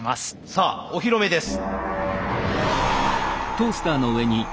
さあお披露目です。